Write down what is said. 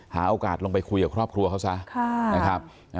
หาโอกาสลงไปคุยกับครอบครัวเขาซะนะครับ